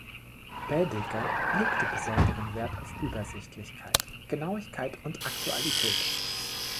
Baedeker legte besonderen Wert auf Übersichtlichkeit, Genauigkeit und Aktualität.